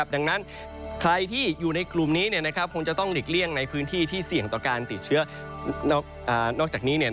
ดังนั้นใครที่อยู่ในกลุ่มนี้คงจะต้องหลีกเลี่ยงในพื้นที่ที่เสี่ยงต่อการติดเชื้อนอกจากนี้